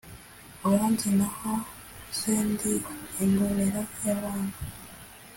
uranzi nahoze ndi imbonera y’abami,